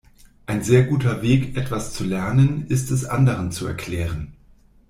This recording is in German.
Ein sehr guter Weg, etwas zu lernen, ist es anderen zu erklären.